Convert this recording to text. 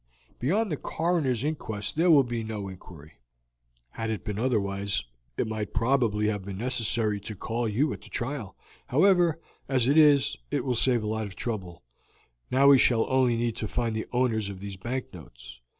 Beyond the coroner's inquest there will be no inquiry. Had it been otherwise it might probably have been necessary to call you at the trial. However, as it is, it will save a lot of trouble; now we shall only need to find the owners of these bank notes.